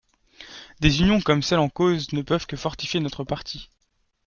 Des unions comme celle en cause ne peuvent que fortifier notre parti.